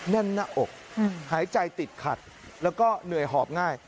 แน่นหน้าอกหายใจติดขัดแล้วก็เหนื่อยหอบง่าย